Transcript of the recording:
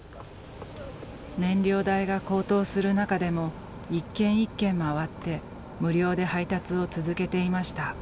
燃料代が高騰する中でも一軒一軒回って無料で配達を続けていました。